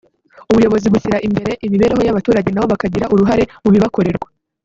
ubuyobozi bushyira imbere imibereho y’abaturage nabo bakagira uruhare mu bibakorerwa